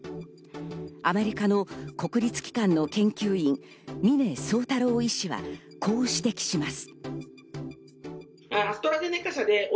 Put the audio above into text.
アメリカの国立機関の研究員・峰宗太郎医師はこう指摘します。